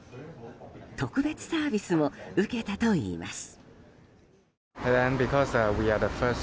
特別サービスも受けたといいます。